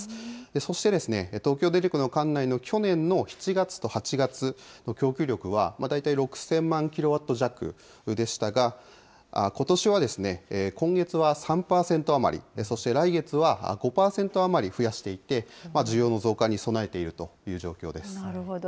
そして、東京電力の管内の去年の７月と８月の供給力は、大体６０００万キロワット弱でしたが、ことしは今月は３％余り、そして来月は５％余り増やしていて、需要の増加に備えているといなるほど。